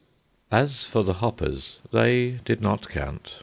As for the hoppers, they did not count.